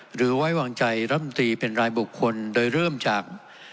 หรือไว้วางใจรัฐมนตรีเป็นรายบุคคลโดยเริ่มจาก